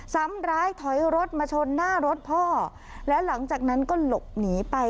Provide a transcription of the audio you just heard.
ซ้ำร้ายถอยรถมาชนหน้ารถพ่อแล้วหลังจากนั้นก็หลบหนีไป